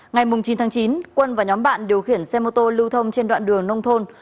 ngày chín tháng chín quân và nhóm bạn điều khiển xe mô tô lưu thông trên đoạn đường nông thôn